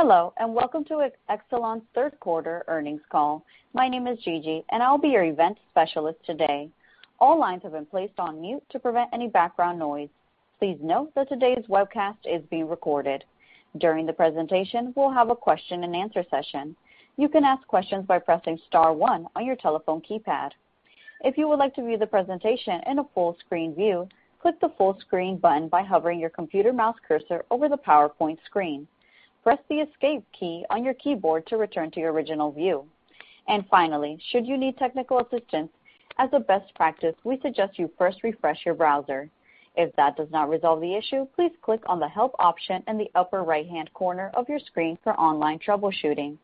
Hello, and welcome to Exelon's third quarter earnings call. My name is Gigi, and I'll be your Event Specialist today. All lines have been placed on mute to prevent any background noise. Please note that today's webcast is being recorded. During the presentation, we'll have a question and answer session. You can ask questions by pressing star one on your telephone keypad. If you would like to view the presentation in a full screen view, click the full screen button by hovering your computer mouse cursor over the PowerPoint screen. Press the escape key on your keyboard to return to your original view. Finally, should you need technical assistance, as a best practice, we suggest you first refresh your browser. If that does not resolve the issue, please click on the help option in the upper right-hand corner of your screen for online troubleshooting.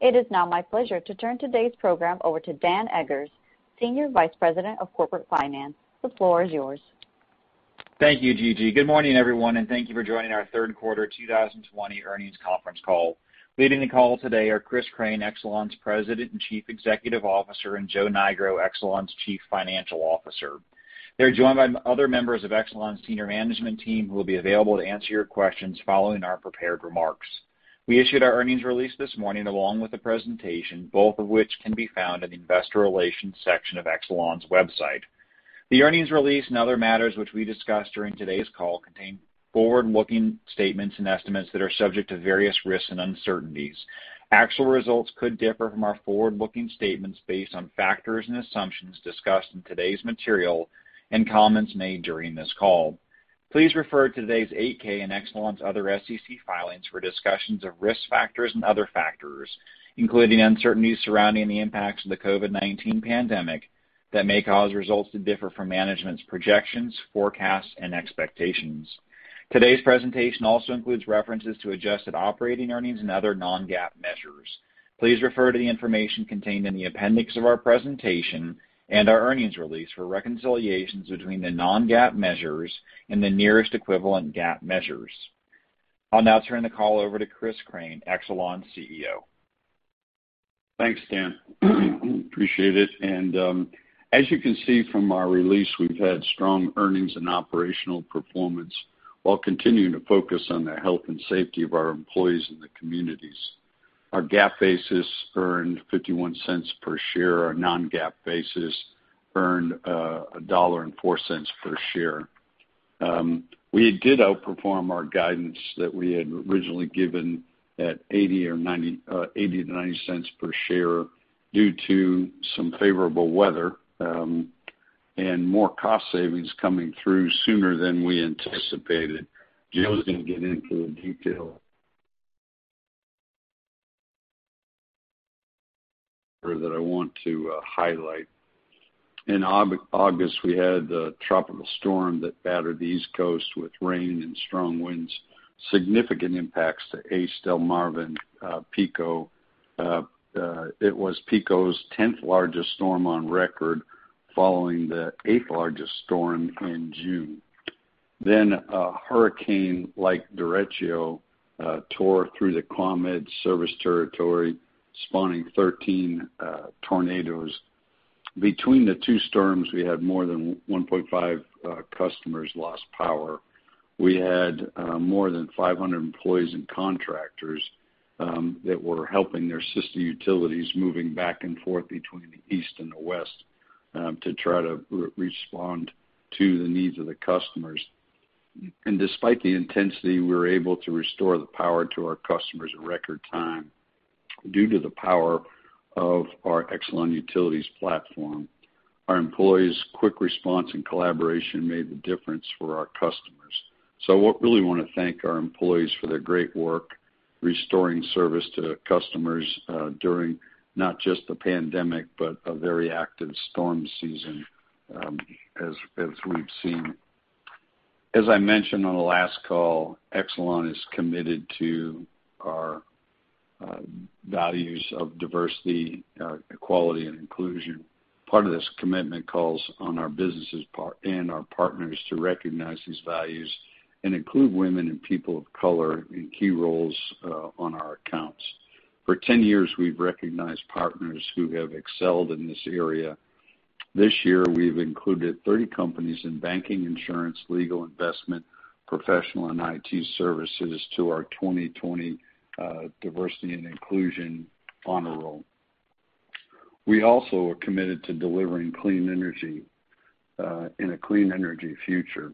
It is now my pleasure to turn today's program over to Daniel Eggers, Senior Vice President of Corporate Finance. The floor is yours. Thank you, Gigi. Good morning, everyone, and thank you for joining our Third Quarter 2020 Earnings Conference Call. Leading the call today are Christopher Crane, Exelon's President and Chief Executive Officer, and Joseph Nigro, Exelon's Chief Financial Officer. They're joined by other members of Exelon's senior management team, who will be available to answer your questions following our prepared remarks. We issued our earnings release this morning, along with the presentation, both of which can be found in the investor relations section of Exelon's website. The earnings release and other matters which we discuss during today's call contain forward-looking statements and estimates that are subject to various risks and uncertainties. Actual results could differ from our forward-looking statements based on factors and assumptions discussed in today's material and comments made during this call. Please refer to today's 8-K and Exelon's other SEC filings for discussions of risk factors and other factors, including the uncertainty surrounding the impacts of the COVID-19 pandemic that may cause results to differ from management's projections, forecasts, and expectations. Today's presentation also includes references to adjusted operating earnings and other non-GAAP measures. Please refer to the information contained in the appendix of our presentation and our earnings release for reconciliations between the non-GAAP measures and the nearest equivalent GAAP measures. I'll now turn the call over to Chris Crane, Exelon's CEO. Thanks, Daniel. Appreciate it. As you can see from our release, we've had strong earnings and operational performance while continuing to focus on the health and safety of our employees and the communities. Our GAAP basis earned $0.51 per share. Our non-GAAP basis earned $1.04 per share. We did outperform our guidance that we had originally given at $0.80-$0.90 per share due to some favorable weather and more cost savings coming through sooner than we anticipated. Joe's going to get into the detail. That I want to highlight. In August, we had a tropical storm that battered the East Coast with rain and strong winds, significant impacts to ACE, Delmarva, PECO. It was PECO's 10th largest storm on record following the eighth largest storm in June. A hurricane like derecho tore through the ComEd service territory, spawning 13 tornadoes. Between the two storms, we had more than 1.5 million customers lost power. We had more than 500 employees and contractors that were helping their sister utilities moving back and forth between the east and the west to try to respond to the needs of the customers. Despite the intensity, we were able to restore the power to our customers in record time due to the power of our Exelon Utilities platform. Our employees' quick response and collaboration made the difference for our customers. I really want to thank our employees for their great work restoring service to customers during not just the pandemic, but a very active storm season as we've seen. As I mentioned on the last call, Exelon is committed to our values of diversity, equality, and inclusion. Part of this commitment calls on our businesses and our partners to recognize these values and include women and people of color in key roles on our accounts. For 10 years, we've recognized partners who have excelled in this area. This year, we've included 30 companies in banking, insurance, legal investment, professional, and IT services to our 2020 Diversity and Inclusion Honor Roll. We also are committed to delivering clean energy in a clean energy future.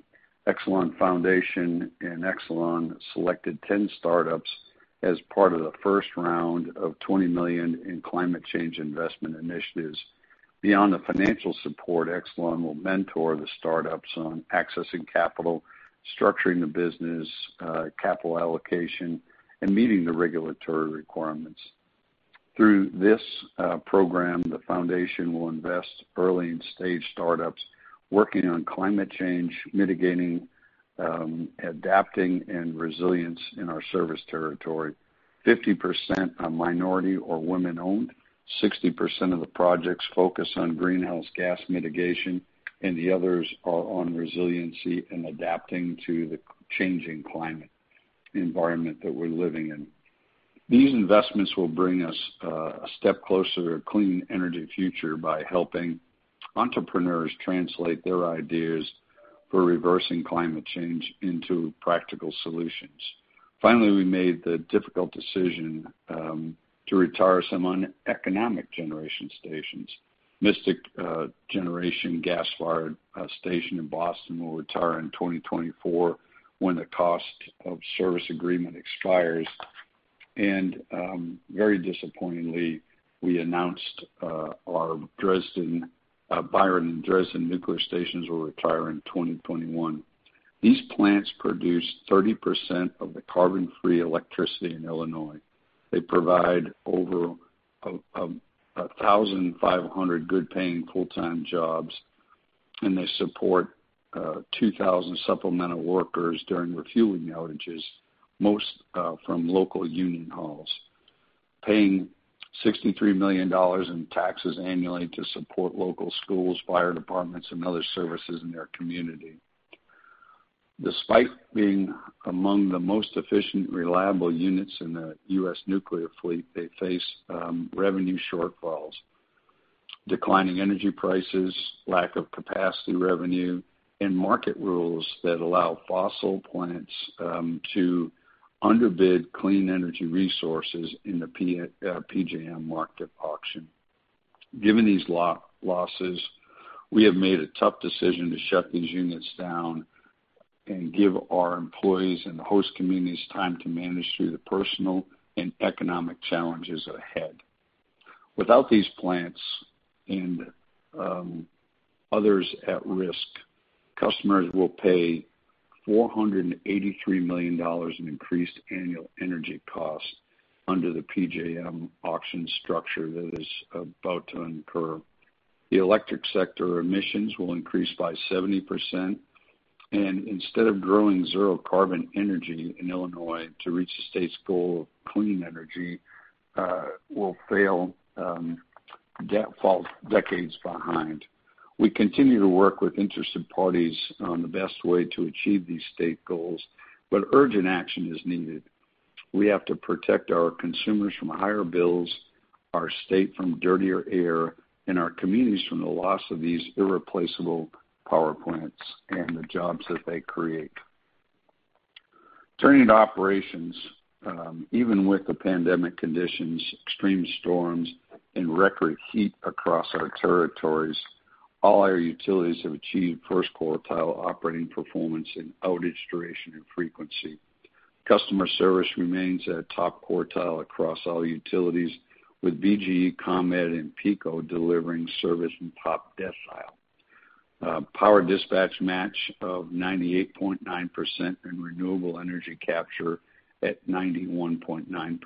Exelon Foundation and Exelon selected 10 startups as part of the first round of $20 million in Climate Change Investment Initiatives. Beyond the financial support, Exelon will mentor the startups on accessing capital, structuring the business, capital allocation, and meeting the regulatory requirements. Through this program, the foundation will invest early in stage startups working on climate change, mitigating, adapting, and resilience in our service territory. 50% are minority or women-owned, 60% of the projects focus on greenhouse gas mitigation, and the others are on resiliency and adapting to the changing climate environment that we're living in. These investments will bring us a step closer to a clean energy future by helping entrepreneurs translate their ideas for reversing climate change into practical solutions. We made the difficult decision to retire some uneconomic generation stations. Mystic Generating Station gas-fired station in Boston will retire in 2024 when the cost of service agreement expires. Very disappointingly, we announced our Byron and Dresden nuclear stations will retire in 2021. These plants produce 30% of the carbon-free electricity in Illinois. They provide over 1,500 good-paying full-time jobs, and they support 2,000 supplemental workers during refueling outages, most from local union halls, paying $63 million in taxes annually to support local schools, fire departments, and other services in their community. Despite being among the most efficient, reliable units in the U.S. nuclear fleet, they face revenue shortfalls, declining energy prices, lack of capacity revenue, and market rules that allow fossil plants to underbid clean energy resources in the PJM market auction. Given these losses, we have made a tough decision to shut these units down and give our employees and the host communities time to manage through the personal and economic challenges ahead. Without these plants and others at risk, customers will pay $483 million in increased annual energy costs under the PJM auction structure that is about to incur. The electric sector emissions will increase by 70%, and instead of growing zero-carbon energy in Illinois to reach the state's goal of clean energy, will fall decades behind. We continue to work with interested parties on the best way to achieve these state goals, but urgent action is needed. We have to protect our consumers from higher bills, our state from dirtier air, and our communities from the loss of these irreplaceable power plants and the jobs that they create. Turning to operations. Even with the pandemic conditions, extreme storms, and record heat across our territories, all our utilities have achieved first quartile operating performance in outage duration and frequency. Customer service remains at top quartile across all utilities, with BGE, ComEd, and PECO delivering service in top decile. Power dispatch match of 98.9% and renewable energy capture at 91.9%.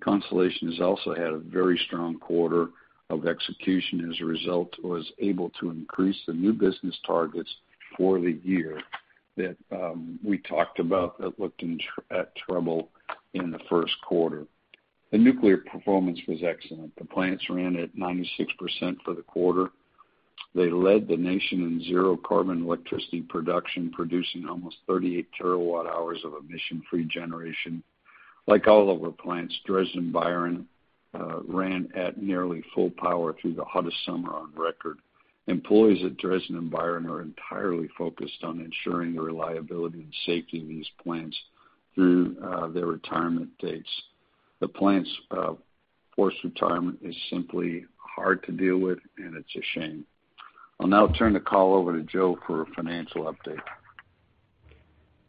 Constellation has also had a very strong quarter of execution, as a result, was able to increase the new business targets for the year that we talked about that looked at trouble in the first quarter. The nuclear performance was excellent. The plants ran at 96% for the quarter. They led the nation in zero carbon electricity production, producing almost 38 TW-hours of emission-free generation. Like all of our plants, Dresden and Byron ran at nearly full power through the hottest summer on record. Employees at Dresden and Byron are entirely focused on ensuring the reliability and safety of these plants through their retirement dates. The plants' forced retirement is simply hard to deal with, and it's a shame. I'll now turn the call over to Joseph for a financial update.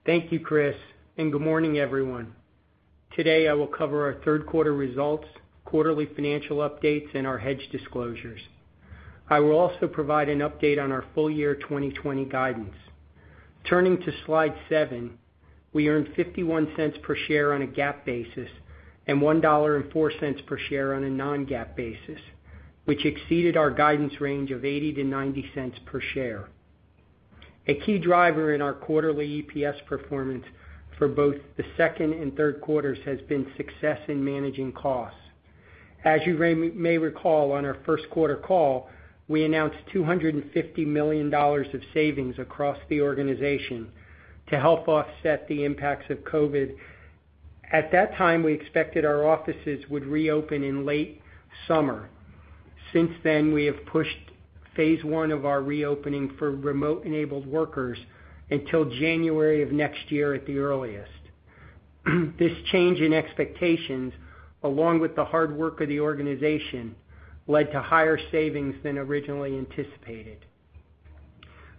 Thank you, Christopher. Good morning, everyone. Today, I will cover our third quarter results, quarterly financial updates, and our hedge disclosures. I will also provide an update on our full year 2020 guidance. Turning to slide seven, we earned $0.51 per share on a GAAP basis and $1.04 per share on a non-GAAP basis, which exceeded our guidance range of $0.80-$0.90 per share. A key driver in our quarterly EPS performance for both the second and third quarters has been success in managing costs. As you may recall, on our first quarter call, we announced $250 million of savings across the organization to help offset the impacts of COVID. At that time, we expected our offices would reopen in late summer. Since then, we have pushed phase I of our reopening for remote-enabled workers until January of next year at the earliest. This change in expectations, along with the hard work of the organization, led to higher savings than originally anticipated.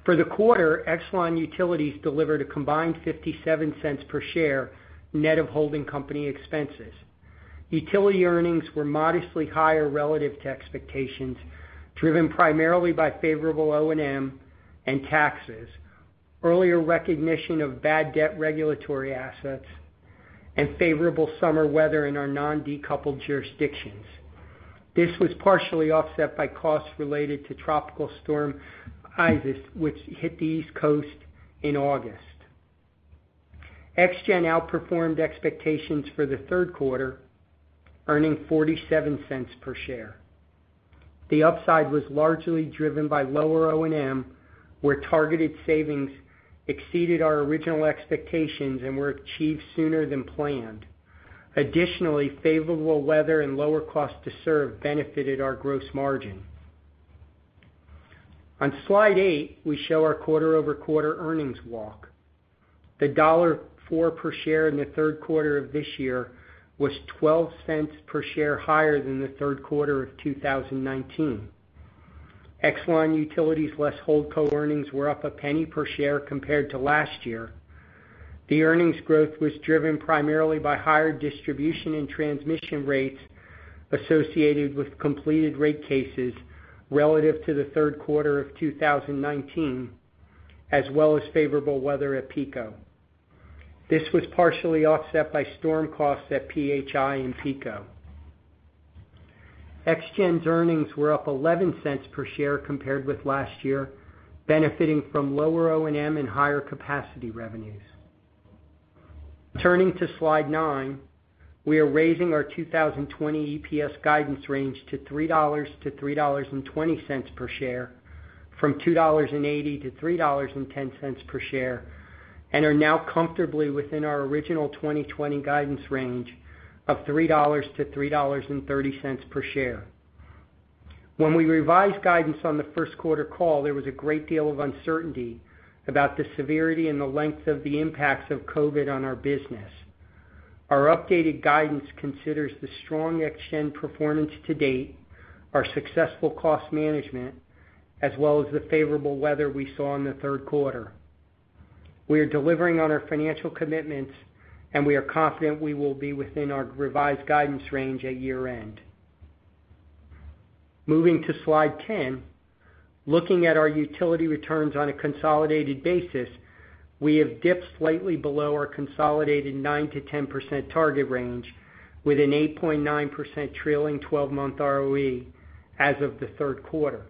For the quarter, Exelon Utilities delivered a combined $0.57 per share, net of holding company expenses. Utility earnings were modestly higher relative to expectations, driven primarily by favorable O&M and taxes, earlier recognition of bad debt regulatory assets, and favorable summer weather in our non-decoupled jurisdictions. This was partially offset by costs related to Tropical Storm Isaias, which hit the East Coast in August. ExGen outperformed expectations for the third quarter, earning $0.47 per share. The upside was largely driven by lower O&M, where targeted savings exceeded our original expectations and were achieved sooner than planned. Additionally, favorable weather and lower cost to serve benefited our gross margin. On slide eight, we show our quarter-over-quarter earnings walk. The $1.04 per share in the third quarter of this year was $0.12 per share higher than the third quarter of 2019. Exelon Utilities' less holdco earnings were up $0.01 per share compared to last year. The earnings growth was driven primarily by higher distribution and transmission rates associated with completed rate cases relative to the third quarter of 2019, as well as favorable weather at PECO. This was partially offset by storm costs at PHI and PECO. ExGen's earnings were up $0.11 per share compared with last year, benefiting from lower O&M and higher capacity revenues. Turning to slide nine, we are raising our 2020 EPS guidance range to $3-$3.20 per share from $2.80-$3.10 per share, and are now comfortably within our original 2020 guidance range of $3-$3.30 per share. When we revised guidance on the first quarter call, there was a great deal of uncertainty about the severity and the length of the impacts of COVID-19 on our business. Our updated guidance considers the strong ExGen performance to date, our successful cost management, as well as the favorable weather we saw in the third quarter. We are delivering on our financial commitments, and we are confident we will be within our revised guidance range at year-end. Moving to slide 10, looking at our utility returns on a consolidated basis, we have dipped slightly below our consolidated 9%-10% target range with an 8.9% trailing 12-month ROE as of the third quarter.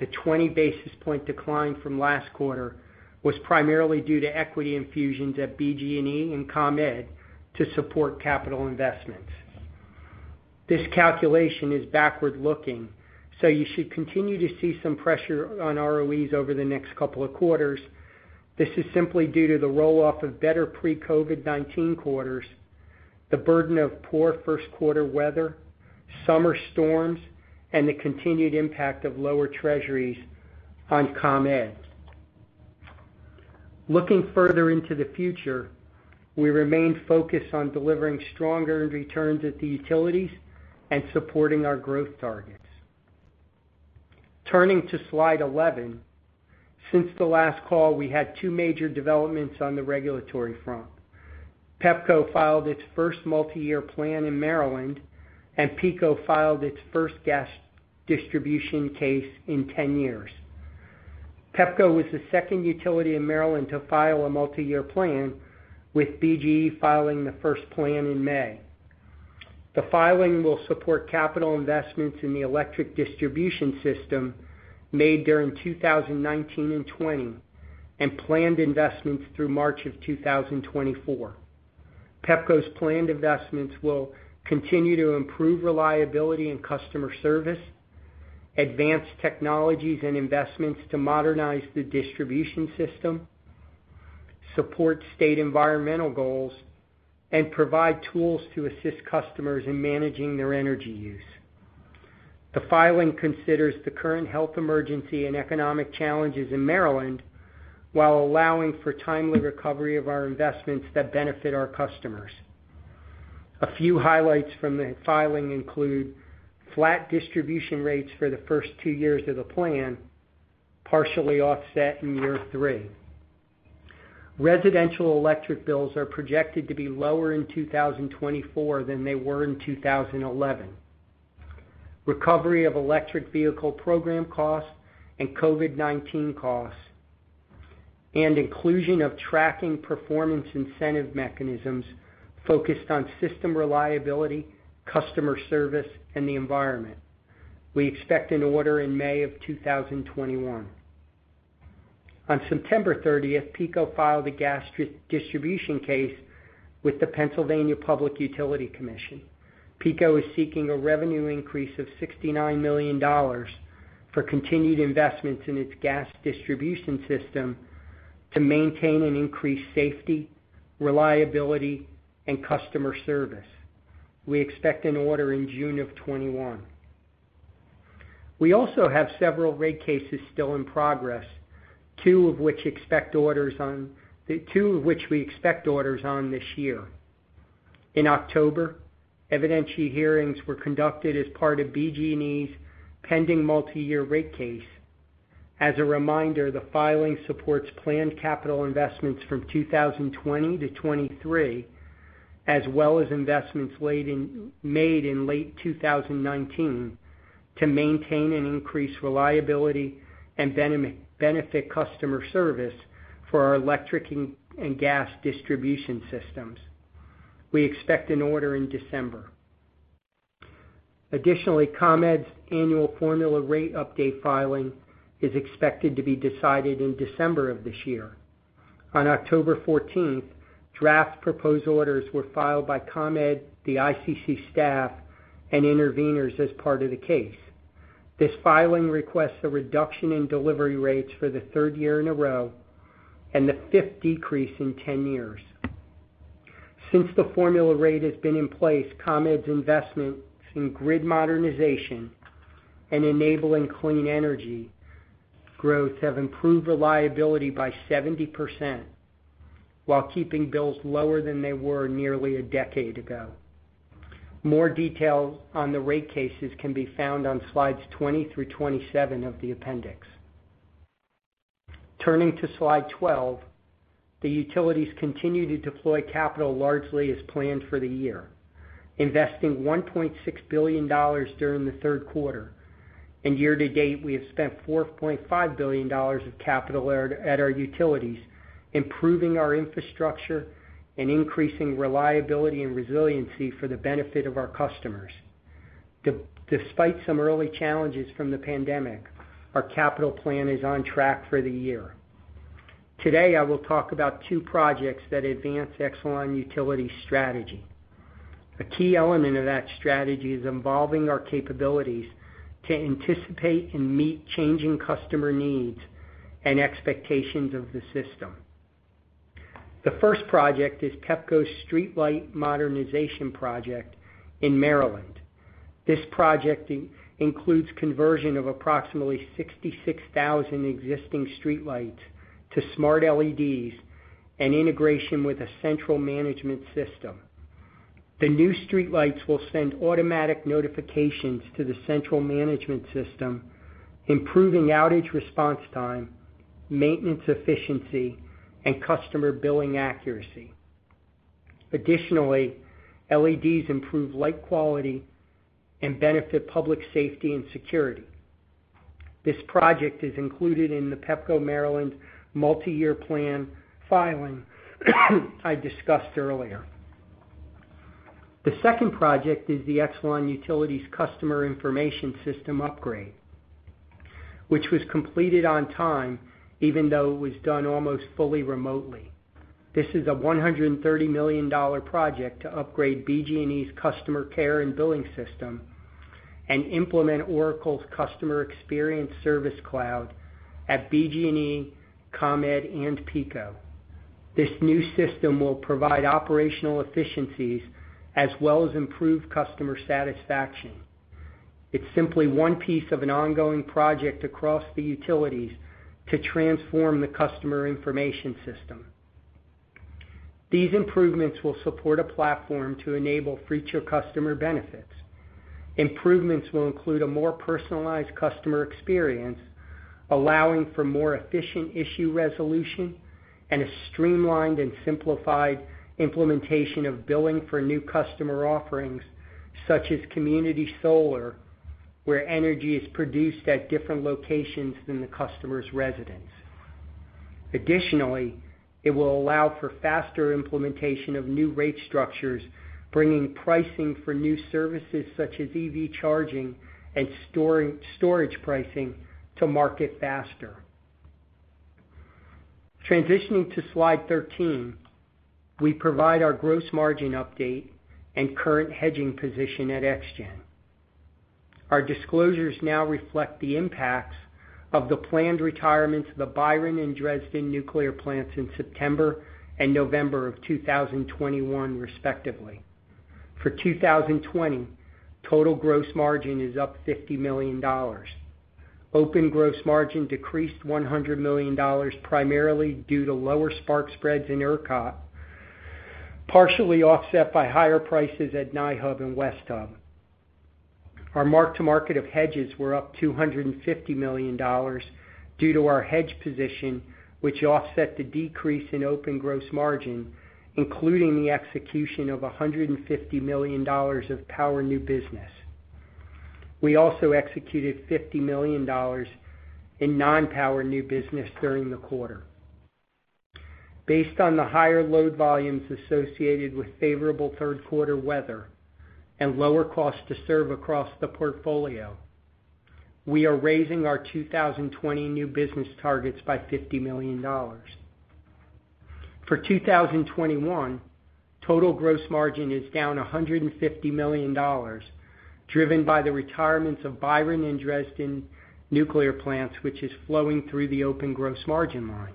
The 20 basis point decline from last quarter was primarily due to equity infusions at BGE and ComEd to support capital investments. This calculation is backward-looking, you should continue to see some pressure on ROEs over the next couple of quarters. This is simply due to the roll-off of better pre-COVID-19 quarters, the burden of poor first-quarter weather, summer storms, and the continued impact of lower Treasuries on ComEd. Looking further into the future, we remain focused on delivering stronger returns at the utilities and supporting our growth targets. Turning to slide 11, since the last call, we had two major developments on the regulatory front. Pepco filed its first multi-year plan in Maryland, and PECO filed its first gas distribution case in 10 years. Pepco was the second utility in Maryland to file a multi-year plan, with BGE filing the first plan in May. The filing will support capital investments in the electric distribution system made during 2019 and 2020, and planned investments through March of 2024. Pepco's planned investments will continue to improve reliability and customer service, advance technologies and investments to modernize the distribution system, support state environmental goals, and provide tools to assist customers in managing their energy use. The filing considers the current health emergency and economic challenges in Maryland while allowing for timely recovery of our investments that benefit our customers. A few highlights from the filing include flat distribution rates for the first two years of the plan, partially offset in year three. Residential electric bills are projected to be lower in 2024 than they were in 2011. Recovery of electric vehicle program costs and COVID-19 costs, and inclusion of tracking performance incentive mechanisms focused on system reliability, customer service, and the environment. We expect an order in May of 2021. On September 30th, PECO filed a gas distribution case with the Pennsylvania Public Utility Commission. PECO is seeking a revenue increase of $69 million for continued investments in its gas distribution system to maintain and increase safety, reliability, and customer service. We expect an order in June of 2021. We also have several rate cases still in progress, two of which we expect orders on this year. In October, evidentiary hearings were conducted as part of BGE's pending multi-year rate case. As a reminder, the filing supports planned capital investments from 2020-2023, as well as investments made in late 2019 to maintain and increase reliability and benefit customer service for our electric and gas distribution systems. We expect an order in December. Additionally, ComEd's annual formula rate update filing is expected to be decided in December of this year. On October 14th, draft proposed orders were filed by ComEd, the ICC staff, and intervenors as part of the case. This filing requests a reduction in delivery rates for the third year in a row and the fifth decrease in 10 years. Since the formula rate has been in place, ComEd's investments in grid modernization and enabling clean energy growth have improved reliability by 70% while keeping bills lower than they were nearly a decade ago. More details on the rate cases can be found on slides 20 through 27 of the appendix. Turning to slide 12, the utilities continue to deploy capital largely as planned for the year, investing $1.6 billion during the third quarter. Year to date, we have spent $4.5 billion of capital at our utilities, improving our infrastructure and increasing reliability and resiliency for the benefit of our customers. Despite some early challenges from the pandemic, our capital plan is on track for the year. Today, I will talk about two projects that advance Exelon Utilities' strategy. A key element of that strategy is evolving our capabilities to anticipate and meet changing customer needs and expectations of the system. The first project is Pepco's streetlight modernization project in Maryland. This project includes conversion of approximately 66,000 existing streetlights to smart LEDs and integration with a central management system. The new streetlights will send automatic notifications to the central management system, improving outage response time, maintenance efficiency, and customer billing accuracy. Additionally, LEDs improve light quality and benefit public safety and security. This project is included in the Pepco Maryland multi-year plan filing I discussed earlier. The second project is the Exelon Utilities customer information system upgrade, which was completed on time, even though it was done almost fully remotely. This is a $130 million project to upgrade BGE's customer care and billing system and implement Oracle's Customer Experience Service Cloud at BGE, ComEd, and PECO. This new system will provide operational efficiencies as well as improve customer satisfaction. It's simply one piece of an ongoing project across the utilities to transform the customer information system. These improvements will support a platform to enable future customer benefits. Improvements will include a more personalized customer experience, allowing for more efficient issue resolution and a streamlined and simplified implementation of billing for new customer offerings, such as community solar, where energy is produced at different locations than the customer's residence. Additionally, it will allow for faster implementation of new rate structures, bringing pricing for new services such as EV charging and storage pricing to market faster. Transitioning to slide 13, we provide our gross margin update and current hedging position at ExGen. Our disclosures now reflect the impacts of the planned retirements of the Byron and Dresden nuclear plants in September and November of 2021, respectively. For 2020, total gross margin is up $50 million. Open gross margin decreased $100 million, primarily due to lower spark spreads in ERCOT, partially offset by higher prices at NY Hub and West Hub. Our mark-to-market of hedges were up $250 million due to our hedge position, which offset the decrease in open gross margin, including the execution of $150 million of power new business. We also executed $50 million in non-power new business during the quarter. Based on the higher load volumes associated with favorable third quarter weather and lower cost to serve across the portfolio, we are raising our 2020 new business targets by $50 million. For 2021, total gross margin is down $150 million, driven by the retirements of Byron and Dresden nuclear plants, which is flowing through the open gross margin line.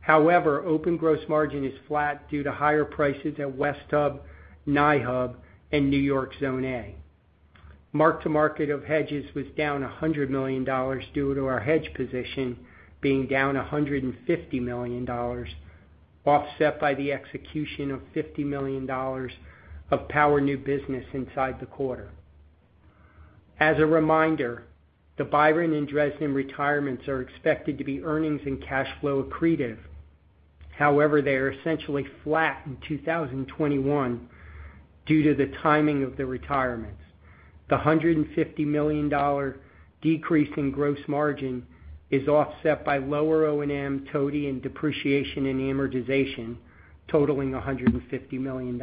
However, open gross margin is flat due to higher prices at West Hub, NY Hub, and New York Zone A. Mark-to-market of hedges was down $100 million due to our hedge position being down $150 million, offset by the execution of $50 million of power new business inside the quarter. As a reminder, the Byron and Dresden retirements are expected to be earnings and cash flow accretive. However, they are essentially flat in 2021 due to the timing of the retirements. The $150 million decrease in gross margin is offset by lower O&M, TOTI, and depreciation and amortization totaling $150 million.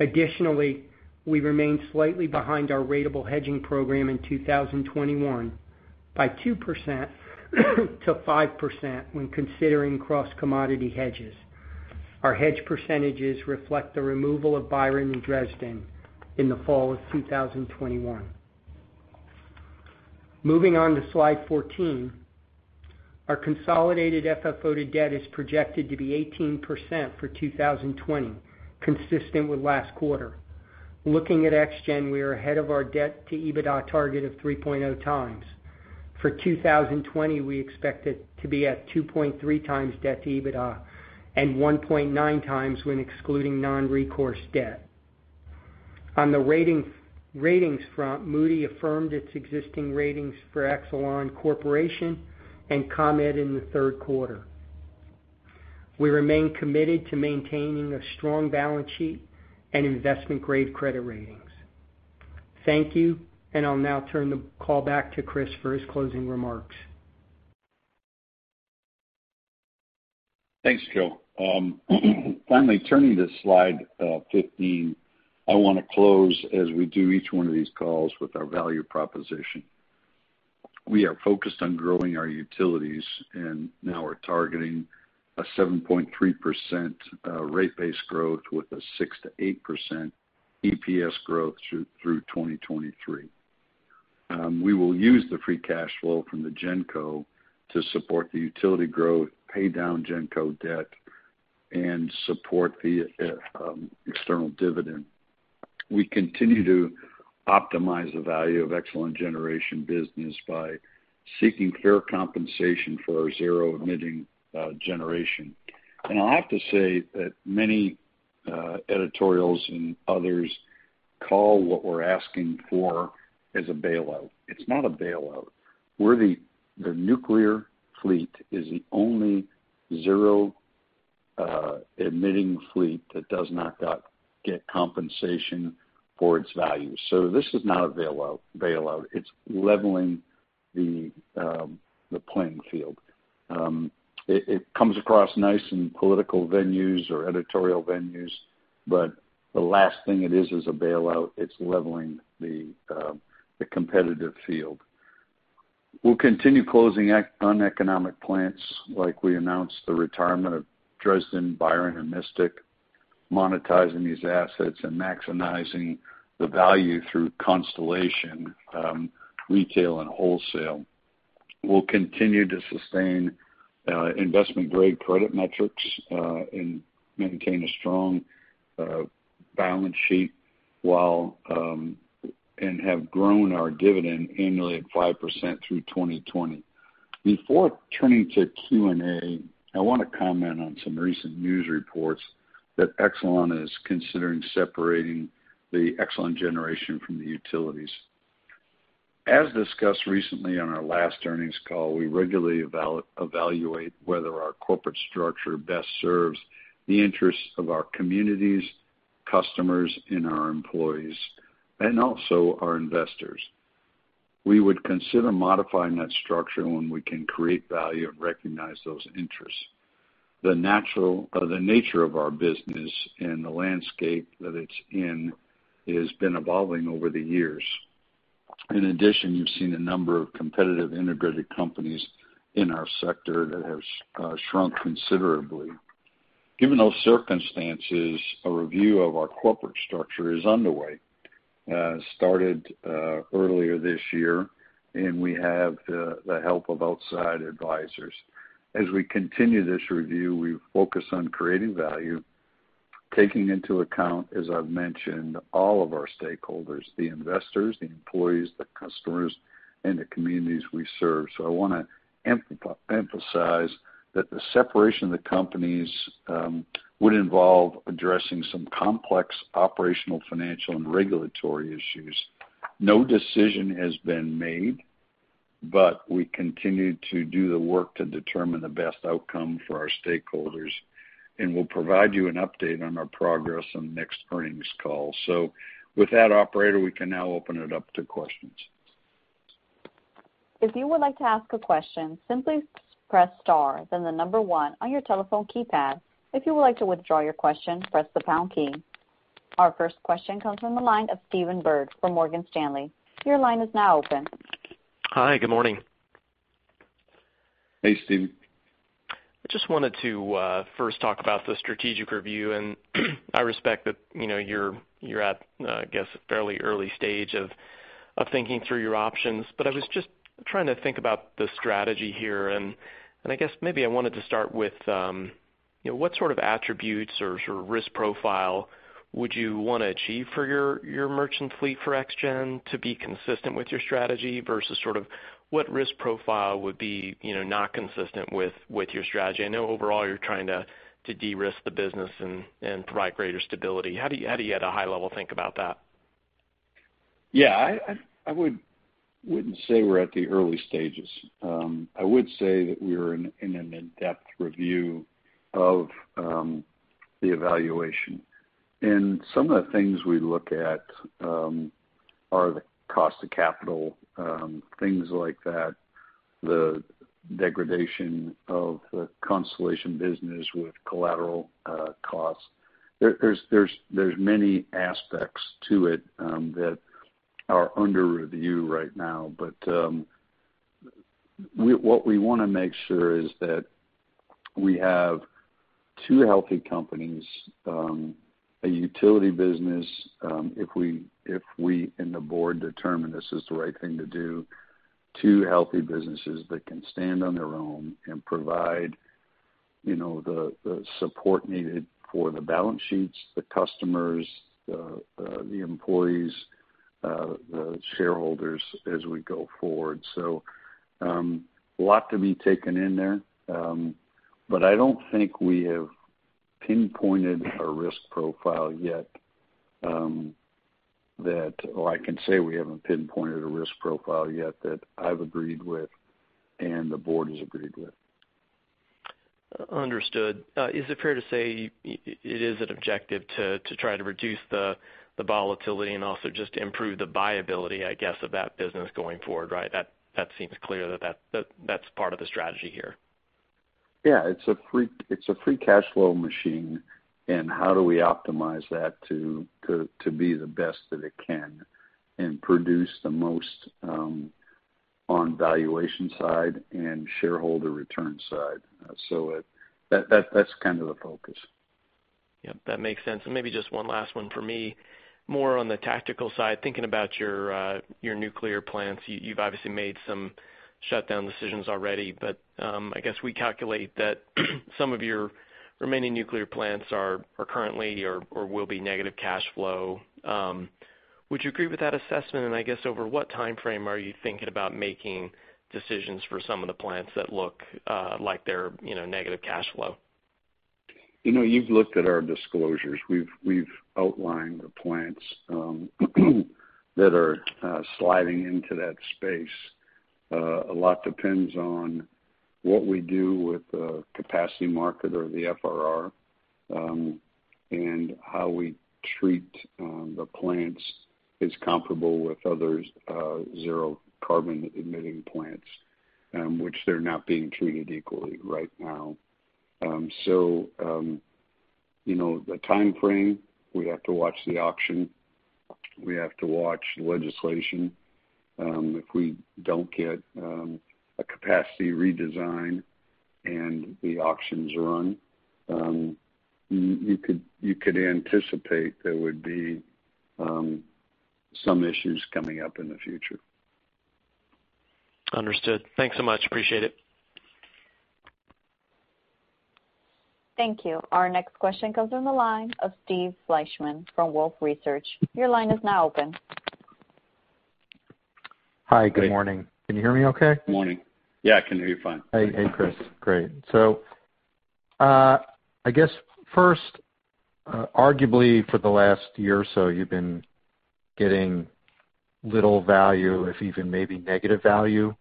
Additionally, we remain slightly behind our ratable hedging program in 2021 by 2%-5% when considering cross-commodity hedges. Our hedge percentages reflect the removal of Byron and Dresden in the fall of 2021. Moving on to slide 14. Our consolidated FFO to debt is projected to be 18% for 2020, consistent with last quarter. Looking at ExGen, we are ahead of our debt-to-EBITDA target of 3.0x. For 2020, we expect it to be at 2.3x debt to EBITDA and 1.9x when excluding non-recourse debt. On the ratings front, Moody's affirmed its existing ratings for Exelon Corporation and ComEd in the third quarter. We remain committed to maintaining a strong balance sheet and investment-grade credit ratings. Thank you, and I'll now turn the call back to Christopher for his closing remarks. Thanks, Joseph. Finally, turning to slide 15, I want to close as we do each one of these calls with our value proposition. We are focused on growing our utilities, and now we're targeting a 7.3% rate base growth with a 6%-8% EPS growth through 2023. We will use the free cash flow from the Genco to support the utility growth, pay down Genco debt, and support the external dividend. We continue to optimize the value of Exelon Generation business by seeking fair compensation for our zero-emitting generation. I have to say that many editorials and others call what we're asking for is a bailout. It's not a bailout. The nuclear fleet is the only zero-emitting fleet that does not get compensation for its value. This is not a bailout. It's leveling the playing field. It comes across nice in political venues or editorial venues, but the last thing it is a bailout. It's leveling the competitive field. We'll continue closing uneconomic plants, like we announced the retirement of Dresden, Byron, and Mystic, monetizing these assets and maximizing the value through Constellation, retail, and wholesale. We'll continue to sustain investment-grade credit metrics and maintain a strong balance sheet and have grown our dividend annually at 5% through 2020. Before turning to Q&A, I want to comment on some recent news reports that Exelon is considering separating the Exelon Generation from the utilities. As discussed recently on our last earnings call, we regularly evaluate whether our corporate structure best serves the interests of our communities, customers, and our employees, and also our investors. We would consider modifying that structure when we can create value and recognize those interests. The nature of our business and the landscape that it's in has been evolving over the years. You've seen a number of competitive integrated companies in our sector that have shrunk considerably. Given those circumstances, a review of our corporate structure is underway. It started earlier this year. We have the help of outside advisors. As we continue this review, we focus on creating value, taking into account, as I've mentioned, all of our stakeholders, the investors, the employees, the customers, and the communities we serve. I want to emphasize that the separation of the companies would involve addressing some complex operational, financial, and regulatory issues. No decision has been made. We continue to do the work to determine the best outcome for our stakeholders. We'll provide you an update on our progress on the next earnings call. With that, operator, we can now open it up to questions. if you would like to ask a question, simply please press then the number one on your telephone keypad. If you like to withdraw press the pound key. Our first question comes from the line of Stephen Byrd from Morgan Stanley. Your line is now open. Hi, good morning. Hey, Stephen. I just wanted to first talk about the strategic review, and I respect that you're at, I guess, a fairly early stage of thinking through your options. I was just trying to think about the strategy here, and I guess maybe I wanted to start with what sort of attributes or sort of risk profile would you want to achieve for your merchant fleet for ExGen to be consistent with your strategy versus sort of what risk profile would be not consistent with your strategy? I know overall you're trying to de-risk the business and provide greater stability. How do you at a high level think about that? Yeah. I wouldn't say we're at the early stages. I would say that we are in an in-depth review of the evaluation. Some of the things we look at are the cost of capital, things like that. The degradation of the Constellation business with collateral costs. There's many aspects to it that are under review right now, but what we want to make sure is that we have two healthy companies, a utility business, if we and the board determine this is the right thing to do, two healthy businesses that can stand on their own and provide the support needed for the balance sheets, the customers, the employees, the shareholders as we go forward. A lot to be taken in there. But I don't think we have pinpointed a risk profile yet. I can say we haven't pinpointed a risk profile yet that I've agreed with and the board has agreed with. Understood. Is it fair to say it is an objective to try to reduce the volatility and also just improve the viability, I guess, of that business going forward, right? That seems clear that that's part of the strategy here. Yeah, it's a free cash flow machine, and how do we optimize that to be the best that it can and produce the most on valuation side and shareholder return side. That's kind of the focus. Yep, that makes sense. Maybe just one last one from me, more on the tactical side, thinking about your nuclear plants. You've obviously made some shutdown decisions already, but I guess we calculate that some of your remaining nuclear plants are currently or will be negative cash flow. Would you agree with that assessment? I guess over what timeframe are you thinking about making decisions for some of the plants that look like they're negative cash flow? You've looked at our disclosures. We've outlined the plants that are sliding into that space. A lot depends on what we do with the capacity market or the FRR. How we treat the plants is comparable with other zero-carbon-emitting plants, which they're not being treated equally right now. The timeframe, we have to watch the auction. We have to watch legislation. If we don't get a capacity redesign and the auctions run, you could anticipate there would be some issues coming up in the future. Understood. Thanks so much. Appreciate it. Thank you. Our next question comes from the line of Steve Fleishman from Wolfe Research. Your line is now open. Hi, good morning. Can you hear me okay? Morning. Yeah, I can hear you fine. Hey, Christopher. Great. I guess first, arguably for the last year or so, you've been getting little value, if even maybe negative value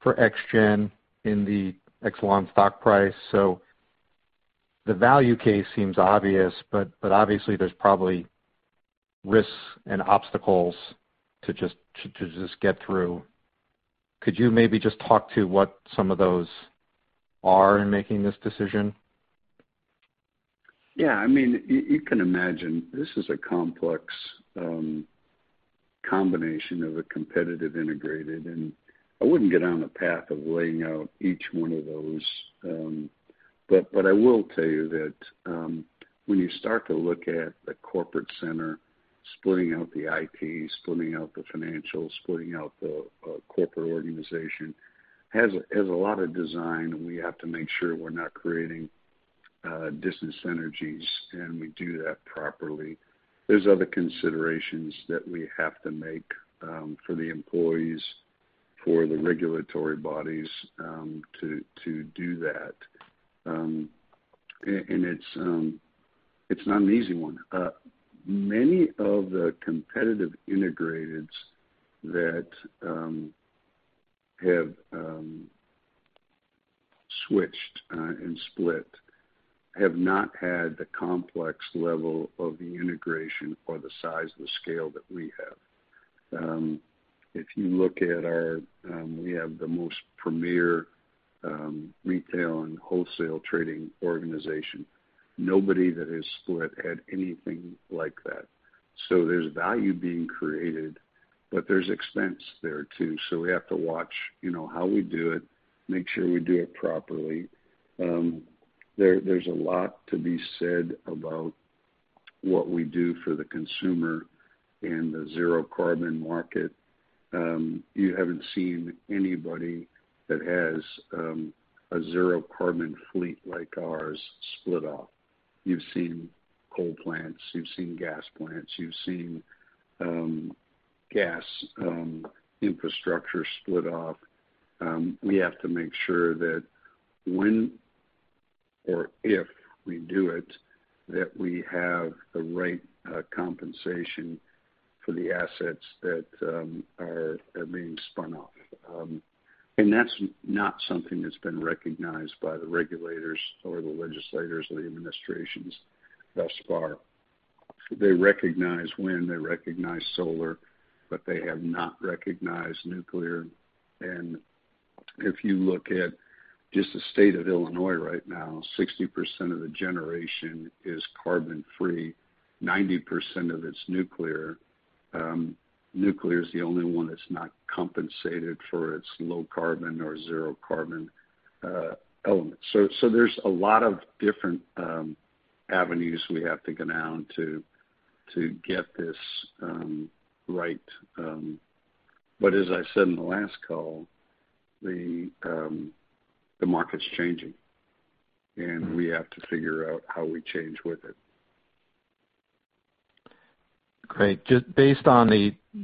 for ExGen in the Exelon stock price. The value case seems obvious, but obviously there's probably risks and obstacles to just get through. Could you maybe just talk to what some of those are in making this decision? Yeah. You can imagine this is a complex combination of a competitive integrated, and I wouldn't get on a path of laying out each one of those. What I will tell you that when you start to look at the corporate center, splitting out the IT, splitting out the financial, splitting out the corporate organization, has a lot of design and we have to make sure we're not creating dis-synergies, and we do that properly. There's other considerations that we have to make for the employees, for the regulatory bodies to do that. It's not an easy one. Many of the competitive integrateds that have switched and split have not had the complex level of integration or the size and the scale that we have. We have the most premier retail and wholesale trading organization. Nobody that has split had anything like that. There's value being created, but there's expense there too. We have to watch how we do it, make sure we do it properly. There's a lot to be said about what we do for the consumer and the zero-carbon market. You haven't seen anybody that has a zero-carbon fleet like ours split off. You've seen coal plants, you've seen gas plants, you've seen gas infrastructure split off. We have to make sure that when or if we do it, that we have the right compensation for the assets that are being spun off. That's not something that's been recognized by the regulators or the legislators or the administrations thus far. They recognize wind, they recognize solar, but they have not recognized nuclear. If you look at just the state of Illinois right now, 60% of the generation is carbon-free, 90% of it's nuclear. Nuclear is the only one that's not compensated for its low carbon or zero carbon elements. There's a lot of different avenues we have to go down to get this right. As I said in the last call, the market's changing, and we have to figure out how we change with it. Great. Based on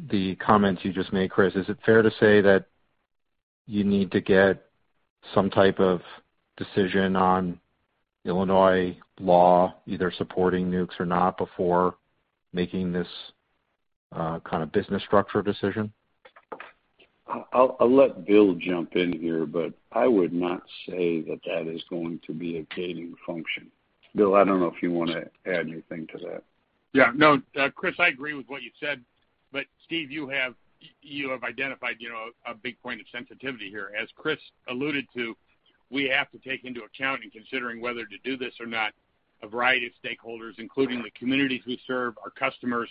the comments you just made, Christopher, is it fair to say that you need to get some type of decision on Illinois law, either supporting nukes or not, before making this kind of business structure decision? I'll let William jump in here, but I would not say that that is going to be a gating function. William, I don't know if you want to add anything to that. Yeah, no. Christopher, I agree with what you said. Steve, you have identified a big point of sensitivity here. As Christopher alluded to, we have to take into account, in considering whether to do this or not, a variety of stakeholders, including the communities we serve, our customers,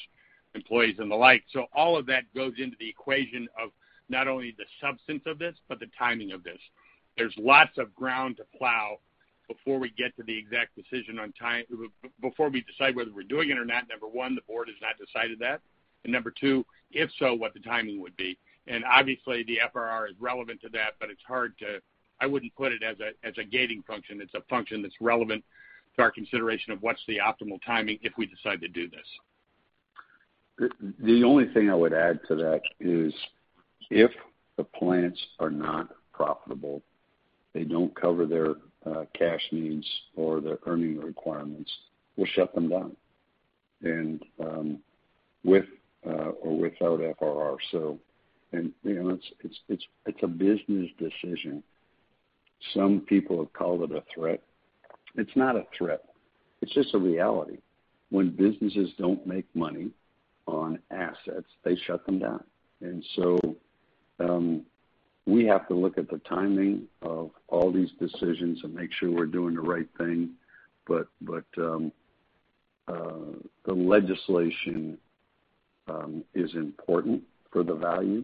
employees, and the like. All of that goes into the equation of not only the substance of this, but the timing of this. There's lots of ground to plow before we get to the exact decision. Before we decide whether we're doing it or not. Number one, the board has not decided that. Number two, if so, what the timing would be. Obviously the FRR is relevant to that, but I wouldn't put it as a gating function. It's a function that's relevant to our consideration of what's the optimal timing if we decide to do this. The only thing I would add to that is if the plants are not profitable, they don't cover their cash needs or their earning requirements, we'll shut them down. With or without FRR. It's a business decision. Some people have called it a threat. It's not a threat. It's just a reality. When businesses don't make money on assets, they shut them down. We have to look at the timing of all these decisions and make sure we're doing the right thing. The legislation is important for the value,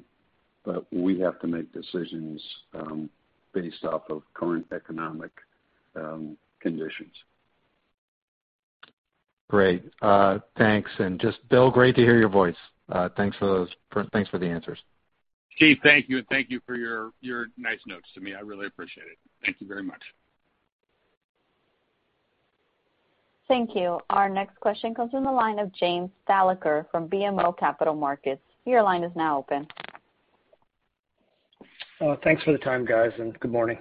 but we have to make decisions based off of current economic conditions. Great. Thanks. Just William, great to hear your voice. Thanks for the answers. Steve, thank you, and thank you for your nice notes to me. I really appreciate it. Thank you very much. Thank you. Our next question comes from the line of James Thalacker from BMO Capital Markets. Your line is now open. Thanks for the time, guys, and good morning.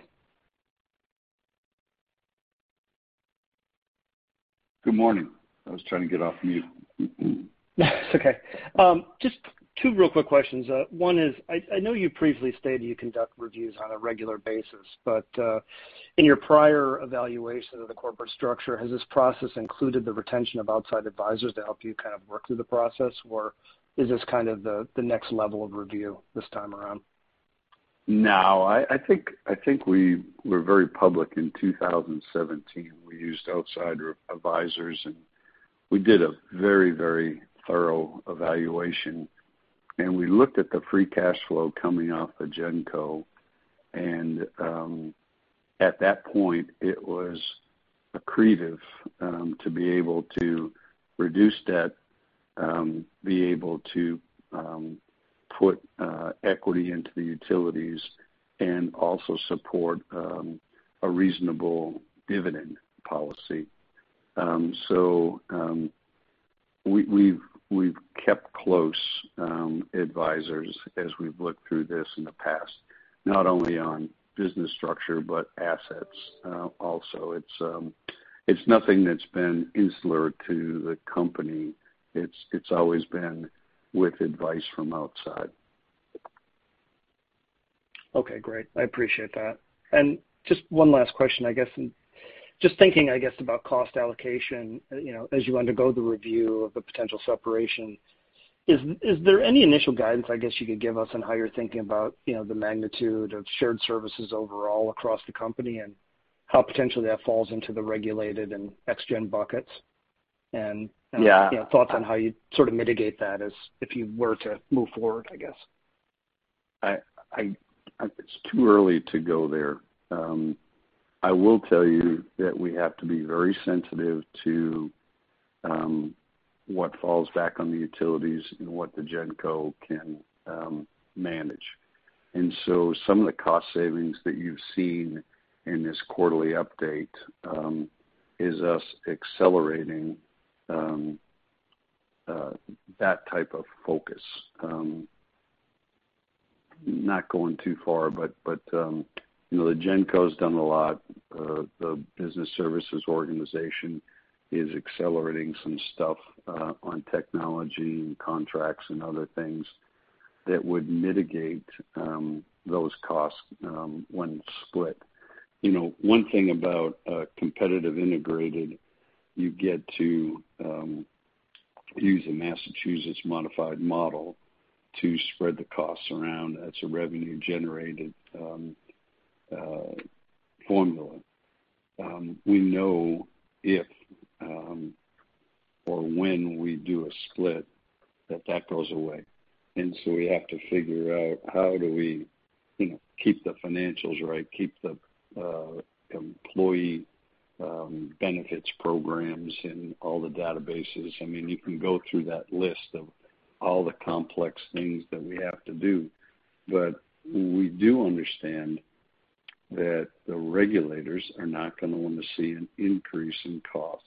Good morning. I was trying to get off mute. It's okay. Just two real quick questions. One is, I know you previously stated you conduct reviews on a regular basis, but, in your prior evaluation of the corporate structure, has this process included the retention of outside advisors to help you kind of work through the process? Is this kind of the next level of review this time around? No. I think we were very public in 2017. We used outside advisors, and we did a very thorough evaluation. We looked at the free cash flow coming off the Genco, and at that point, it was accretive to be able to reduce debt, be able to put equity into the utilities, and also support a reasonable dividend policy. We've kept close advisors as we've looked through this in the past, not only on business structure, but assets also. It's nothing that's been insular to the company. It's always been with advice from outside. Okay, great. I appreciate that. Just one last question, I guess. Just thinking, I guess, about cost allocation, as you undergo the review of the potential separation, is there any initial guidance, I guess, you could give us on how you're thinking about the magnitude of shared services overall across the company, and how potentially that falls into the regulated and ExGen buckets? Yeah. Thoughts on how you'd sort of mitigate that as if you were to move forward, I guess? It's too early to go there. I will tell you that we have to be very sensitive to what falls back on the utilities and what the Genco can manage. Some of the cost savings that you've seen in this quarterly update, is us accelerating that type of focus. Not going too far, the Genco's done a lot. The business services organization is accelerating some stuff on technology and contracts and other things. That would mitigate those costs when split. One thing about a competitive integrated, you get to use a Massachusetts modified model to spread the costs around. That's a revenue-generated formula. We know if or when we do a split, that that goes away. We have to figure out how do we keep the financials right, keep the employee benefits programs and all the databases. You can go through that list of all the complex things that we have to do. We do understand that the regulators are not going to want to see an increase in costs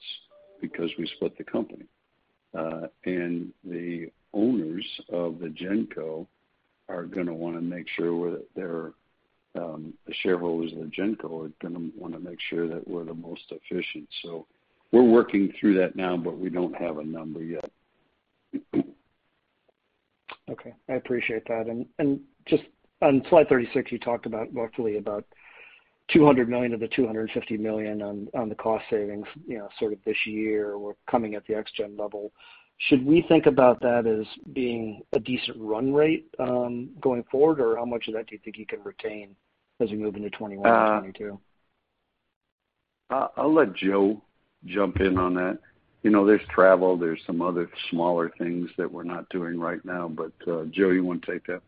because we split the company. The owners of the Genco, the shareholders of the Genco, are going to want to make sure that we're the most efficient. We're working through that now, but we don't have a number yet. Okay. I appreciate that. Just on slide 36, you talked about roughly about $200 million of the $250 million on the cost savings, sort of this year or coming at the ExGen level. Should we think about that as being a decent run rate going forward? How much of that do you think you can retain as we move into 2021 and 2022? I'll let Joseph jump in on that. There's travel, there's some other smaller things that we're not doing right now. Joe, you want to take that?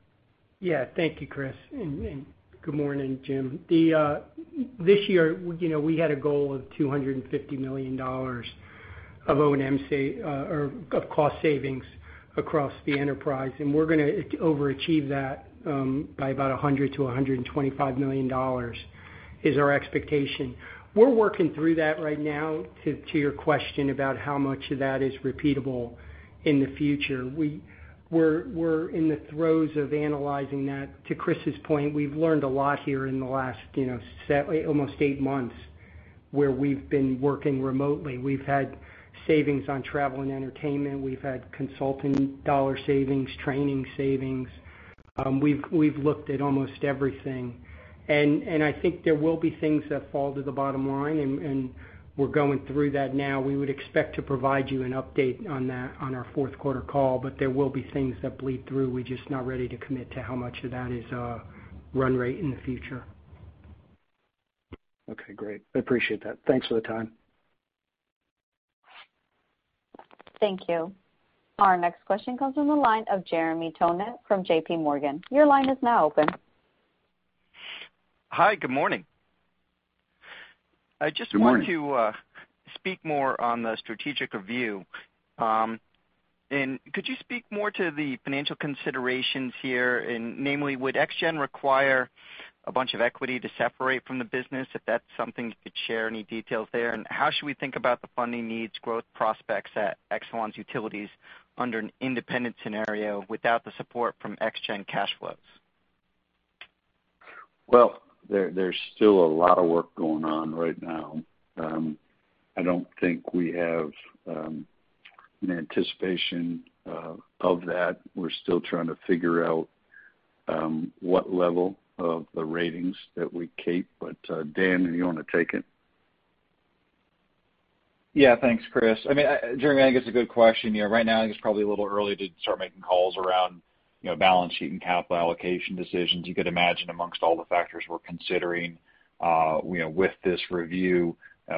Yeah. Thank you, Christopher, and good morning, James. This year, we had a goal of $250 million of O&M or of cost savings across the enterprise, and we're going to overachieve that by about $100 million-$125 million, is our expectation. We're working through that right now, to your question about how much of that is repeatable in the future. We're in the throes of analyzing that. To Christopher's point, we've learned a lot here in the last almost eight months, where we've been working remotely. We've had savings on travel and entertainment. We've had consulting dollar savings, training savings. We've looked at almost everything. I think there will be things that fall to the bottom line, and we're going through that now. We would expect to provide you an update on that on our fourth quarter call, but there will be things that bleed through. We're just not ready to commit to how much of that is run rate in the future. Okay, great. I appreciate that. Thanks for the time. Thank you. Our next question comes from the line of Jeremy Tonet from JPMorgan. Your line is now open. Hi, good morning. Good morning. I just want to speak more on the strategic review. Could you speak more to the financial considerations here, and namely, would ExGen require a bunch of equity to separate from the business? If that's something you could share any details there. How should we think about the funding needs growth prospects at Exelon's utilities under an independent scenario without the support from ExGen cash flows? Well, there's still a lot of work going on right now. I don't think we have an anticipation of that. We're still trying to figure out what level of the ratings that we keep. Daniel, you want to take it? Yeah. Thanks, Christopher. Jeremy, I think it's a good question. Right now, I think it's probably a little early to start making calls around balance sheet and capital allocation decisions. You could imagine amongst all the factors we're considering with this review,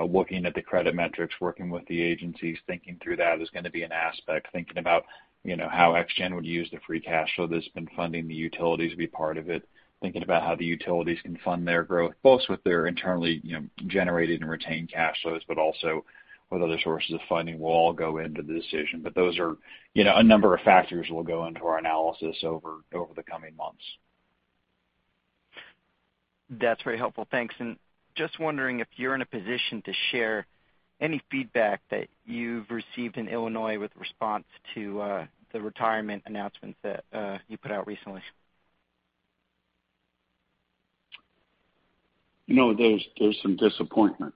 looking at the credit metrics, working with the agencies, thinking through that is going to be an aspect. Thinking about how ExGen would use the free cash flow that's been funding the utilities to be part of it. Thinking about how the utilities can fund their growth, both with their internally generated and retained cash flows, also what other sources of funding will all go into the decision. A number of factors will go into our analysis over the coming months. That's very helpful. Thanks. Just wondering if you're in a position to share any feedback that you've received in Illinois with response to the retirement announcements that you put out recently. There's some disappointment,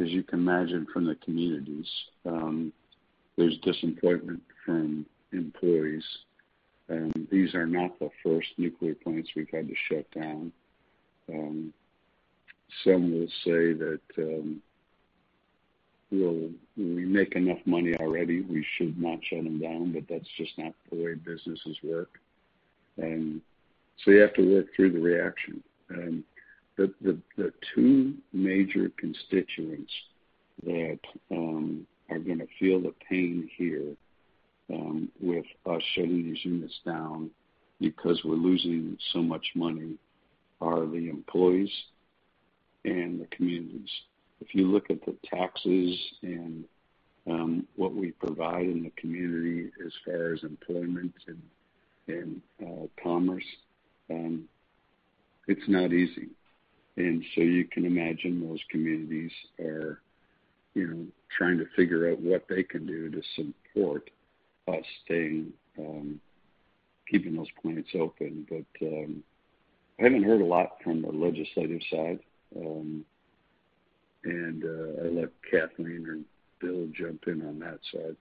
as you can imagine, from the communities. There's disappointment from employees. These are not the first nuclear plants we've had to shut down. Some will say that we make enough money already, we should not shut them down, but that's just not the way businesses work. You have to work through the reaction. The two major constituents that are going to feel the pain here with us shutting these units down because we're losing so much money are the employees and the communities. If you look at the taxes and what we provide in the community as far as employment and commerce, it's not easy. You can imagine those communities are trying to figure out what they can do to support us staying, keeping those plants open. I haven't heard a lot from the legislative side. I'll let Kathleen or William jump in on that side.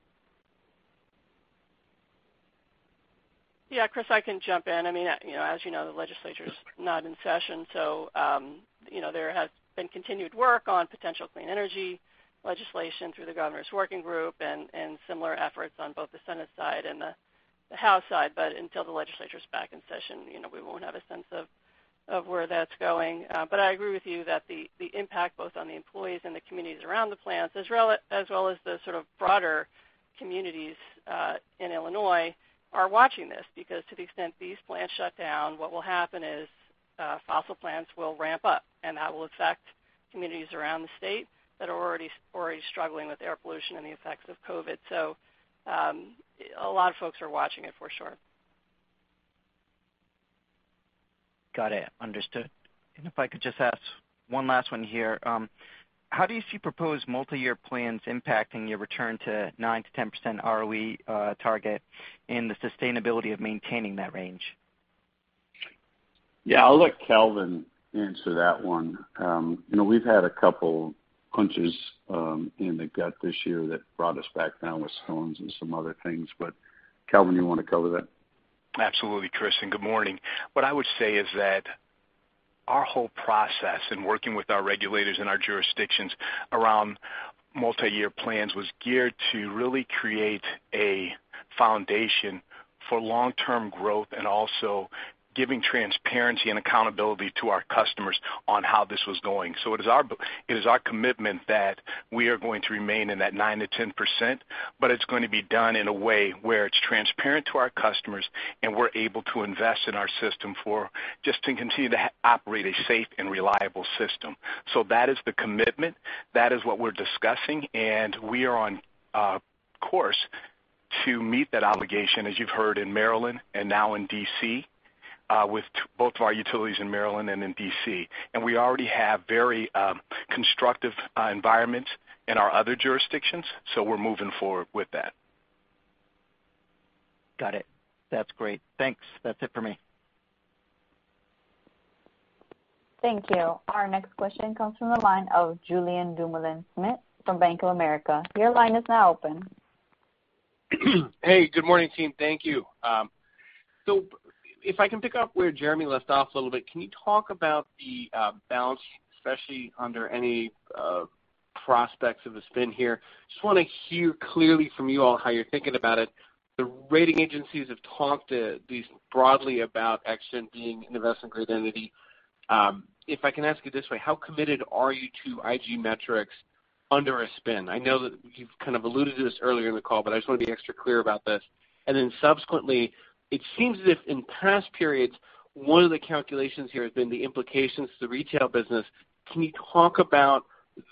Yeah, Christopher, I can jump in. As you know, the legislature's not in session, so there has been continued work on potential clean energy legislation through the governor's working group and similar efforts on both the Senate side and the House side. Until the legislature's back in session, we won't have a sense of where that's going. I agree with you that the impact both on the employees and the communities around the plants, as well as the sort of broader communities in Illinois, are watching this because to the extent these plants shut down, what will happen is fossil plants will ramp up, and that will affect communities around the state that are already struggling with air pollution and the effects of COVID. A lot of folks are watching it, for sure. Got it. Understood. If I could just ask one last one here. How do you see proposed multi-year plans impacting your return to 9%-10% ROE target and the sustainability of maintaining that range? Yeah, I'll let Calvin answer that one. We've had a couple punches in the gut this year that brought us back down with storms and some other things. Calvin, you want to cover that? Absolutely, Christopher. Good morning. What I would say is that our whole process in working with our regulators in our jurisdictions around multi-year plans was geared to really create a foundation for long-term growth and also giving transparency and accountability to our customers on how this was going. It is our commitment that we are going to remain in that 9%-10%, but it's going to be done in a way where it's transparent to our customers, and we're able to invest in our system just to continue to operate a safe and reliable system. That is the commitment. That is what we're discussing. We are on course to meet that obligation, as you've heard in Maryland and now in D.C., with both of our utilities in Maryland and in D.C. We already have very constructive environments in our other jurisdictions, so we're moving forward with that. Got it. That's great. Thanks. That's it for me. Thank you. Our next question comes from the line of Julien Dumoulin-Smith from Bank of America. Your line is now open. Good morning, team. Thank you. If I can pick up where Jeremy left off a little bit, can you talk about the balance, especially under any prospects of a spin here? Just want to hear clearly from you all how you're thinking about it. The rating agencies have talked broadly about Exelon being an investment-grade entity. If I can ask you this way, how committed are you to IG metrics under a spin? I know that you've kind of alluded to this earlier in the call, I just want to be extra clear about this. Subsequently, it seems as if in past periods, one of the calculations here has been the implications to the retail business. Can you talk about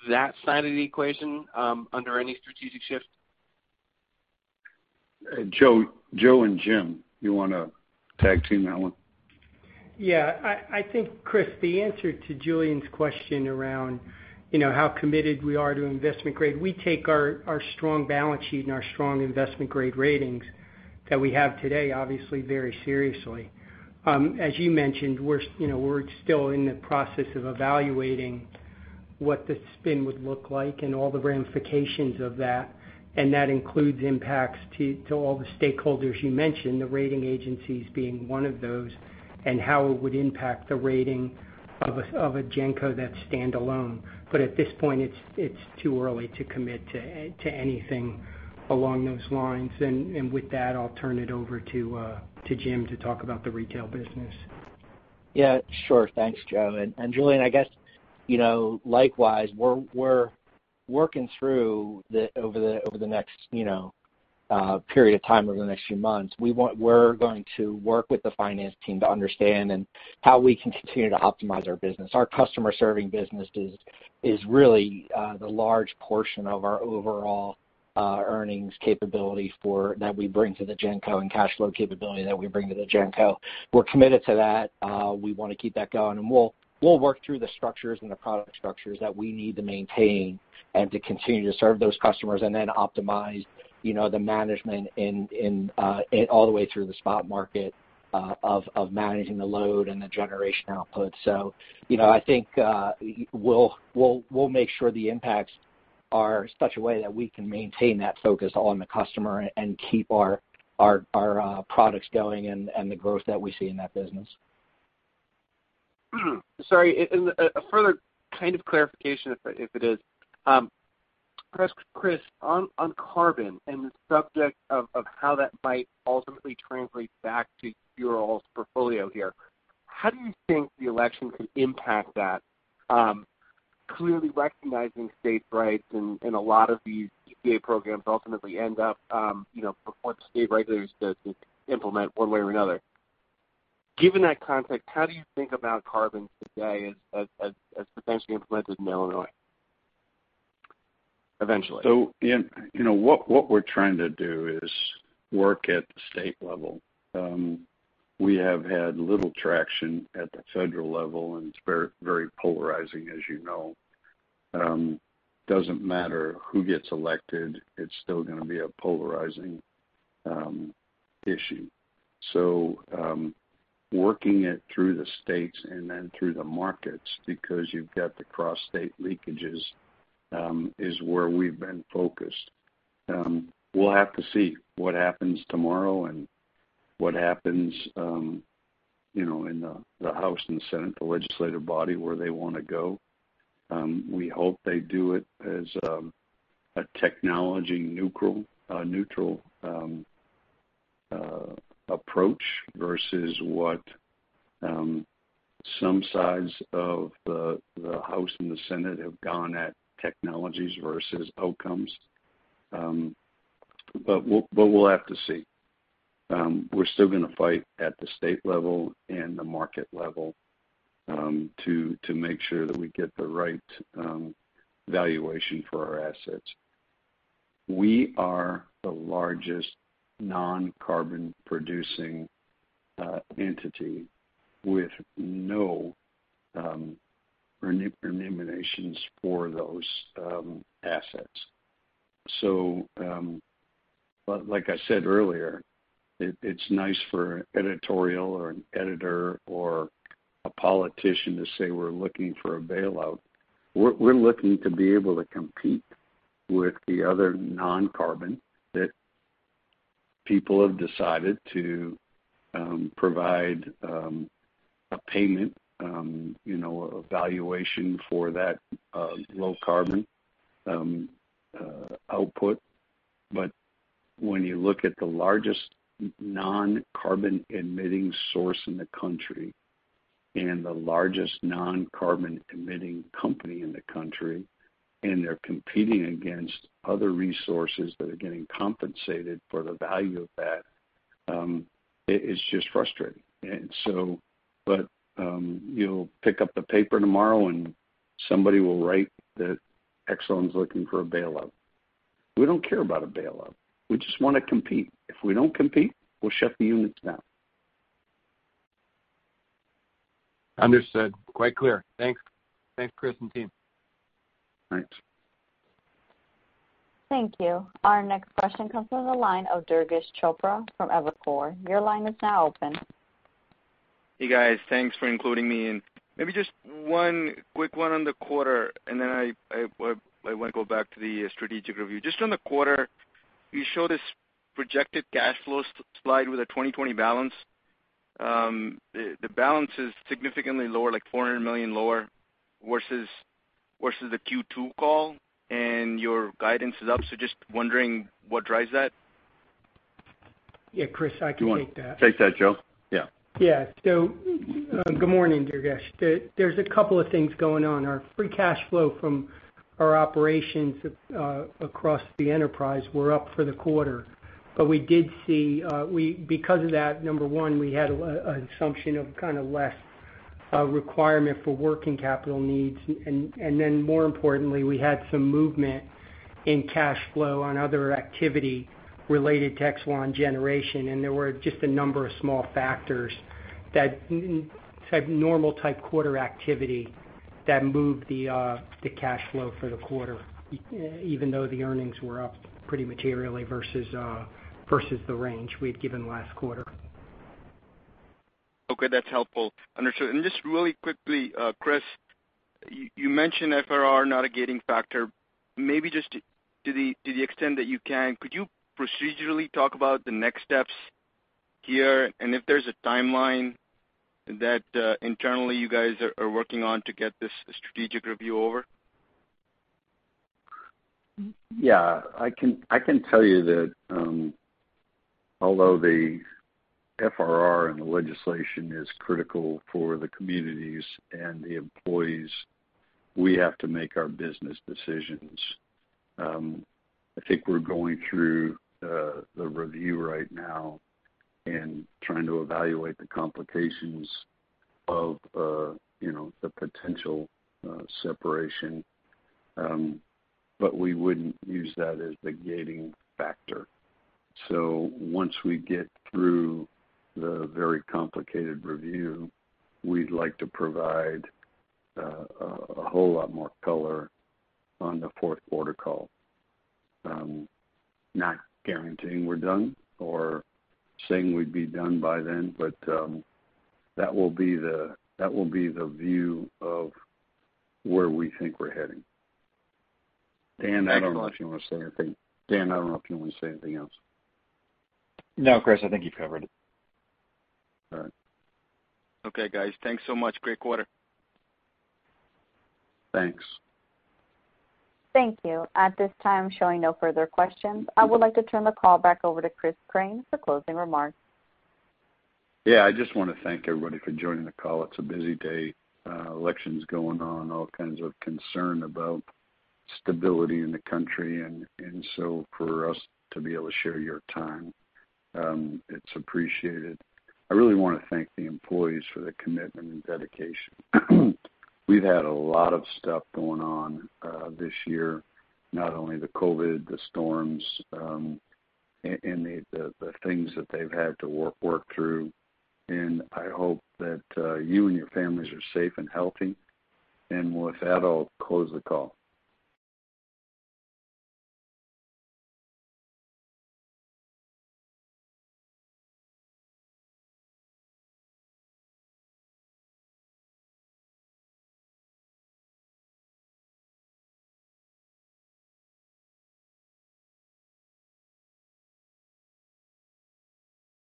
that side of the equation under any strategic shift? Joseph and Jim, you want to tag team that one? Yeah. I think, Christopher, the answer to Julien's question around how committed we are to investment grade, we take our strong balance sheet and our strong investment-grade ratings that we have today, obviously very seriously. As you mentioned, we're still in the process of evaluating what the spin would look like and all the ramifications of that, and that includes impacts to all the stakeholders you mentioned, the rating agencies being one of those, and how it would impact the rating of a Genco that's standalone. At this point, it's too early to commit to anything along those lines. With that, I'll turn it over to Jim to talk about the retail business. Yeah, sure. Thanks, Joseph. And Julien, I guess likewise, we're working through over the next period of time, over the next few months. We're going to work with the finance team to understand and how we can continue to optimize our business. Our customer-serving business is really the large portion of our overall earnings capability that we bring to the Genco and cash flow capability that we bring to the Genco. We're committed to that. We want to keep that going, and we'll work through the structures and the product structures that we need to maintain and to continue to serve those customers and then optimize the management all the way through the spot market of managing the load and the generation output. I think we'll make sure the impacts are such a way that we can maintain that focus on the customer and keep our products going and the growth that we see in that business. Sorry, a further kind of clarification, if it is. Christopher, on carbon and the subject of how that might ultimately translate back to your all's portfolio here, how do you think the election could impact that? Recognizing state rights and a lot of these EPA programs ultimately end up before the state regulators to implement one way or another. Given that context, how do you think about carbon today as potentially implemented in Illinois eventually? What we're trying to do is work at the state level. We have had little traction at the federal level, and it's very polarizing, as you know. Doesn't matter who gets elected, it's still going to be a polarizing issue. Working it through the states and then through the markets, because you've got the cross-state leakages, is where we've been focused. We'll have to see what happens tomorrow and what happens in the House and Senate, the legislative body, where they want to go. We hope they do it as a technology-neutral approach versus what some sides of the House and the Senate have gone at technologies versus outcomes. We'll have to see. We're still going to fight at the state level and the market level, to make sure that we get the right valuation for our assets. We are the largest non-carbon-producing entity with no remunerations for those assets. Like I said earlier, it's nice for editorial or an editor or a politician to say we're looking for a bailout. We're looking to be able to compete with the other non-carbon, that people have decided to provide a payment, a valuation for that low-carbon output. When you look at the largest non-carbon-emitting source in the country and the largest non-carbon-emitting company in the country, and they're competing against other resources that are getting compensated for the value of that, it's just frustrating. You'll pick up the paper tomorrow and somebody will write that Exelon's looking for a bailout. We don't care about a bailout. We just want to compete. If we don't compete, we'll shut the units down. Understood. Quite clear. Thanks. Thanks, Christopher, and team. Thanks. Thank you. Our next question comes from the line of Durgesh Chopra from Evercore. Your line is now open. Hey, guys. Thanks for including me in. Maybe just one quick one on the quarter, and then I want to go back to the strategic review. Just on the quarter, you show this projected cash flow slide with a 2020 balance. The balance is significantly lower, like $400 million lower versus the Q2 call, and your guidance is up. Just wondering what drives that. Yeah, Christopher, I can take that. You want to take that, Joseph? Yeah. Good morning, Durgesh. There's a couple of things going on. Our free cash flow from our operations across the enterprise were up for the quarter. Because of that, number one, we had an assumption of kind of less requirement for working capital needs. More importantly, we had some movement in cash flow on other activity related to Exelon Generation, and there were just a number of small factors, normal type quarter activity, that moved the cash flow for the quarter, even though the earnings were up pretty materially versus the range we had given last quarter. Okay. That's helpful. Understood. Just really quickly, Christopher, you mentioned FRR, not a gating factor. Maybe just to the extent that you can, could you procedurally talk about the next steps here, and if there's a timeline that internally you guys are working on to get this strategic review over? Yeah. I can tell you that although the FRR and the legislation is critical for the communities and the employees, we have to make our business decisions. I think we're going through the review right now and trying to evaluate the complications of the potential separation. We wouldn't use that as the gating factor. Once we get through the very complicated review, we'd like to provide a whole lot more color on the fourth quarter call. Not guaranteeing we're done or saying we'd be done by then, but that will be the view of where we think we're heading. Daniel, I don't know if you want to say anything else. No, Christopher. I think you've covered it. All right. Okay, guys. Thanks so much. Great quarter. Thanks. Thank you. At this time, showing no further questions. I would like to turn the call back over to Christopher Crane for closing remarks. Yeah, I just want to thank everybody for joining the call. It's a busy day. Elections going on, all kinds of concern about stability in the country, for us to be able to share your time, it's appreciated. I really want to thank the employees for their commitment and dedication. We've had a lot of stuff going on this year, not only the COVID-19, the storms, and the things that they've had to work through. I hope that you and your families are safe and healthy. With that, I'll close the call.